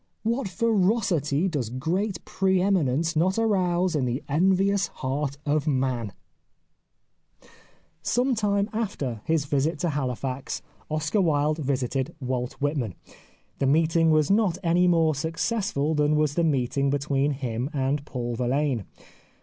What ferocity does great pre eminence not arouse in the envious heart of man ! Some time after his visit to Hahfax Oscar Wilde visited Walt Whitman. The meeting was not any more successful than was the meeting between him and Paul Verlaine.